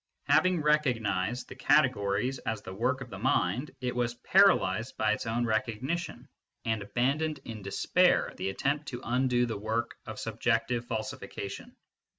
Having re cognised the categories as the work of the mind, it was paralysed by its own recognition, and abandoned in despair the attempt to undo the work of subjective falsification.